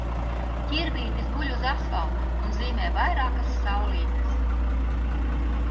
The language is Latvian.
Ķirbītis guļ uz asfalta un zīmē vairākas saulītes.